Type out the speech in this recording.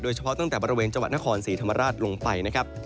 เฉพาะตั้งแต่บริเวณจังหวัดนครศรีธรรมราชลงไปนะครับ